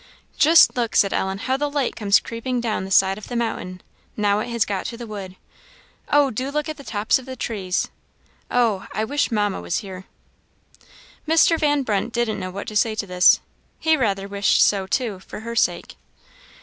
"Just look," said Ellen, "how the light comes creeping down the side of the mountain now it has got to the wood oh, do look at the tops of the trees! Oh! I wish Mamma was here!" Mr. Van Brunt didn't know what to say to this. He rather wished so, too, for her sake.